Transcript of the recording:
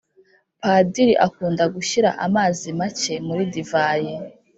Padiri akunda gushyira amazi make muri divayi